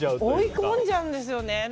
追い込んじゃうんですよね。